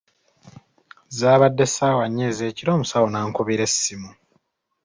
Zabadde ssaawa nnya ez’ekiro, omusawo n’ankubira essimu.